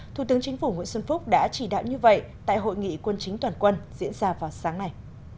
thủ tướng chính phủ nguyễn xuân phúc đã chỉ đạo như vậy tại hội nghị quân chính toàn quân diễn ra vào sáng nay